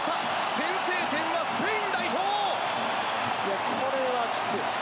先制点はスペイン。